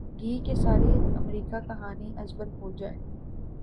گی کہ ساری امریکی کہانی از بر ہو جائے۔